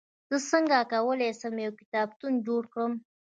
زه څنګه کولای سم، یو کتابتون جوړ کړم؟